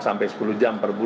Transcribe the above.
pesawat ini berjauh bagaimana